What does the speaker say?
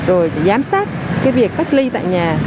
rồi giám sát cái việc cách ly tại nhà